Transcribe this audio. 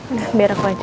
udah biar aku aja